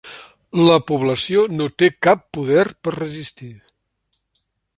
La població no té cap poder per resistir.